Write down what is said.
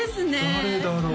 誰だろう